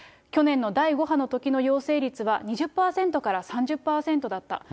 去年の第５波のときの陽性率は、２０％から３０％だった。